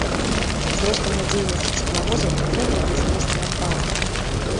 З ростам надзейнасці цеплавозаў патрэба ў дызелісце адпала.